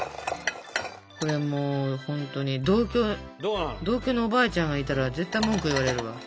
これもうほんとに同居のおばあちゃんがいたら絶対文句言われるわ。